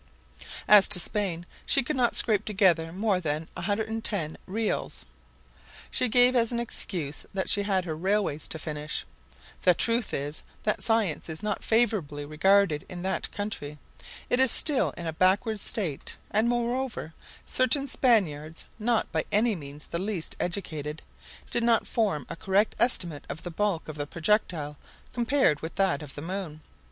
As to Spain, she could not scrape together more than 110 reals. She gave as an excuse that she had her railways to finish. The truth is, that science is not favorably regarded in that country, it is still in a backward state; and moreover, certain Spaniards, not by any means the least educated, did not form a correct estimate of the bulk of the projectile compared with that of the moon.